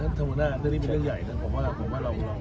ใช่ไหมครับท่านบริษัทนั่นนี่เป็นเรื่องใหญ่นะครับผมว่าผมว่าเรา